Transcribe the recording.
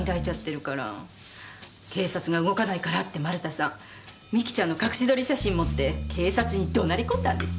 警察が動かないからって丸田さん美紀ちゃんの隠し撮り写真持って警察に怒鳴り込んだんですよ。